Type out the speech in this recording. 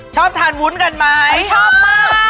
ชอบทานวุ้นกันไหม